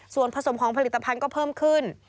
ส่วนผสมของผลิตภัณฑ์ก็เพิ่มขึ้น